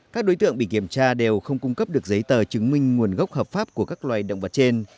các đối tượng bị kiểm tra đều không cung cấp được giấy tờ chứng minh nguồn gốc hợp pháp của các loài động vật trên